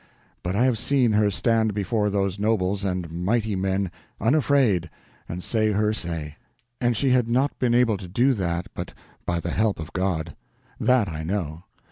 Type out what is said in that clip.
But I have seen her stand before those nobles and mighty men unafraid, and say her say; and she had not been able to do that but by the help of God. That I know.